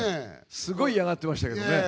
すごい嫌がってましたけどね。